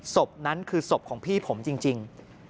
ศพนั้นคือศพของพี่ผมจริง